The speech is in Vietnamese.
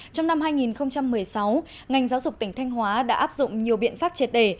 trong năm hai nghìn một mươi sáu ngành giáo dục tỉnh thanh hóa đã áp dụng nhiều biện pháp triệt đề